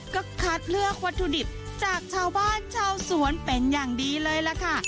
ก็คัดเลือกวัตถุดิบจากชาวบ้านชาวสวนเป็นอย่างดีเลยล่ะค่ะ